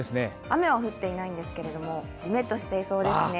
雨は降っていないんですがじめっとしていそうですね。